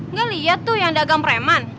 nggak lihat tuh yang dagang preman